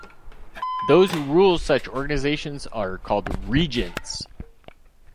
Those who rule such organizations are called "regents".